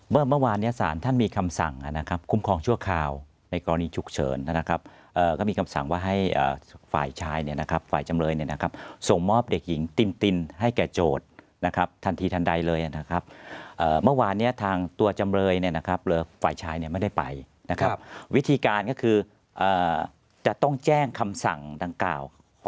เมื่อวานเนี่ยสารท่านมีคำสั่งนะครับคุ้มครองชั่วคราวในกรณีฉุกเฉินนะครับก็มีคำสั่งว่าให้ฝ่ายชายเนี่ยนะครับฝ่ายจำเลยเนี่ยนะครับส่งมอบเด็กหญิงตินตินให้แก่โจทย์นะครับทันทีทันใดเลยนะครับเมื่อวานเนี่ยทางตัวจำเลยเนี่ยนะครับหรือฝ่ายชายเนี่ยไม่ได้ไปนะครับวิธีการก็คือจะต้องแจ้งคำสั่งดังกล่าว